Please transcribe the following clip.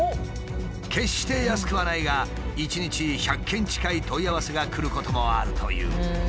決して安くはないが一日１００件近い問い合わせが来ることもあるという。